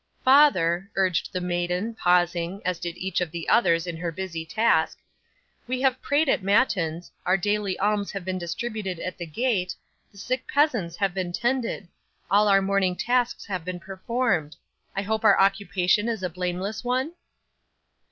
'"Father," urged the maiden, pausing, as did each of the others, in her busy task, "we have prayed at matins, our daily alms have been distributed at the gate, the sick peasants have been tended, all our morning tasks have been performed. I hope our occupation is a blameless one?